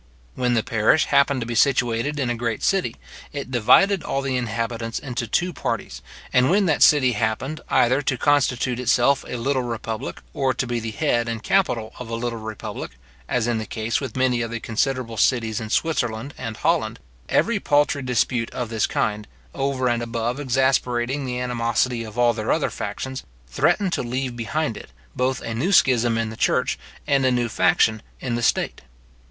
When the parish happened to be situated in a great city, it divided all the inhabitants into two parties; and when that city happened, either to constitute itself a little republic, or to be the head and capital of a little republic, as in the case with many of the considerable cities in Switzerland and Holland, every paltry dispute of this kind, over and above exasperating the animosity of all their other factions, threatened to leave behind it, both a new schism in the church, and a new faction in the state.